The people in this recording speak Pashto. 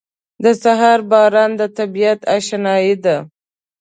• د سهار باران د طبیعت اشنايي ده.